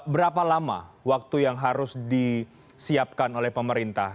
berapa lama waktu yang harus disiapkan oleh pemerintah